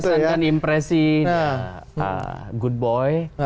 mengesankan impresi good boy